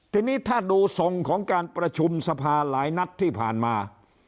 ทีนี้ถ้าดูทรงของการประชุมสภาหลายนัดที่ผ่านมา